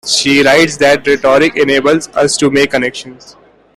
She writes that ...rhetoric enables us to make connections...